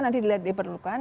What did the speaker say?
nanti dilihat diperlukan